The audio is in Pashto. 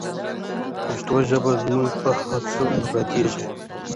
پښتو ژبه زموږ په هڅو ابادیږي.